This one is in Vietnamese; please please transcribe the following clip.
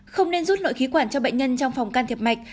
không nên rút nội khí quản cho bệnh nhân trong phòng can thiệp mạch